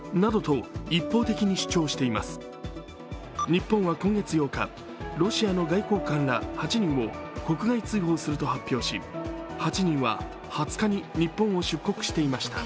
日本は今月８日、ロシアの外交官ら８人を国外追放すると発表し８人は２０日に日本を出国していました。